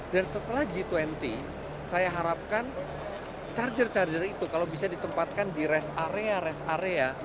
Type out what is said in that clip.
dan setelah g dua puluh saya harapkan charger charger itu kalau bisa ditempatkan di rest area rest area